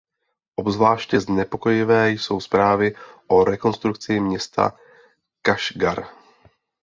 Obzvláště znepokojivé jsou zprávy o rekonstrukci města Kašgar.